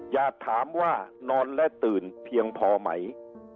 อย่าถามว่านอนและตื่นเพียงพอไหม